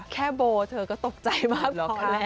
แค่โบ่ะเธอก็ตกใจมาก